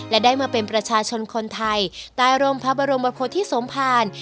และได้มาเป็นประชาชนคนไทยตายรมพระบรมโพธิสมภาร